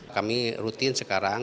kami rutin sekarang